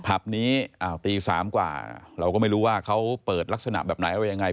ผับนี้ตี๓กว่าเราก็ไม่รู้ว่าเขาเปิดลักษณะแบบไหนอะไรยังไง